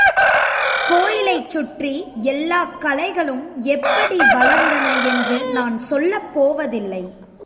கோயிலைச் சுற்றி எல்லாக் கலைகளும் எப்படி வளர்ந்தன என்று நான் சொல்லப் போவதில்லை.